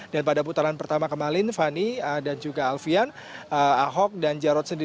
dan pada putaran pertama kemalin fani dan juga alvian ahok dan jorok